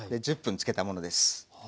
１０分つけたものです。